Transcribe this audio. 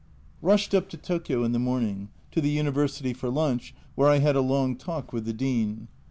Rushed up to Tokio in the morning ; to the University for lunch, where I had a long talk with the Dean.